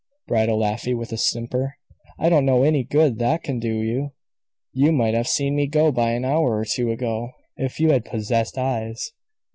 bridled Afy, with a simper, "I don't know any good that can do you. You might have seen me go by an hour or two ago if you had possessed eyes.